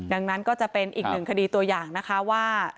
ดังนั้นก็จะเป็นอีกหนึ่งคดีตัวอย่างนะคะว่า